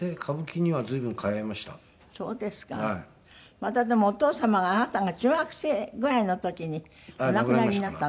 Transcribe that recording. またでもお父様があなたが中学生ぐらいの時にお亡くなりになったの？